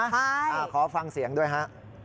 ขอฟังเสียงด้วยฮะ